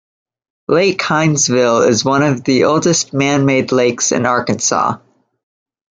Lake Hindsville is one of the oldest man-made lakes in Arkansas.